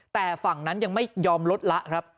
แต่ฝั่งนั้นยังไม่ยอมลดละครับ